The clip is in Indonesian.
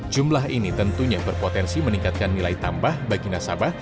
jumlah ini tentunya berpotensi meningkatkan nilai tambah bagi nasabah